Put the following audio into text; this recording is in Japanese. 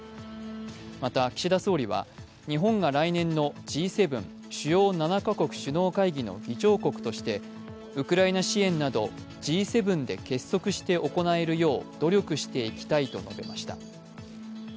また、岸田総理は日本が来年のＧ７＝主要７か国首脳会議のウクライナ支援などＧ７で結束して行えるよう努力していきたいと述べました。